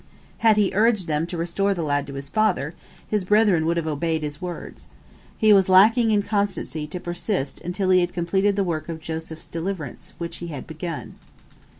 Had he urged them to restore the lad to his father, his brethren would have obeyed his words. He was lacking in constancy to persist until he had completed the work of Joseph's deliverance, which he had begun.